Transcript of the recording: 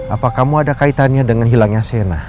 apa kamu ada kaitannya dengan hilangnya sena